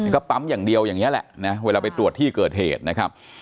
ก็ปั๊มอย่างเดียวอย่างนี้แหละนะเวลาไปตรวจที่เกิดเหตุนะครับ